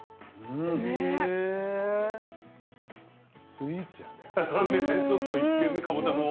スイーツやね。